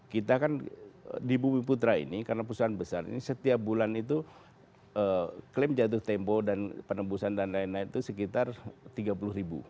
kita kan di bumi putra ini karena perusahaan besar ini setiap bulan itu klaim jatuh tempo dan penembusan dan lain lain itu sekitar tiga puluh ribu